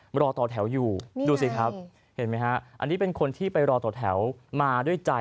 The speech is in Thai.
มารอต่อแถวอยู่ดูสิครับเห็นไหมฮะอันนี้เป็นคนที่ไปรอต่อแถวมาด้วยใจ